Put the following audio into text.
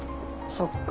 そっか。